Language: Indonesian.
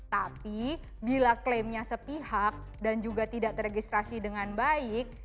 tapi bila klaimnya sepihak dan juga tidak teregistrasi dengan baik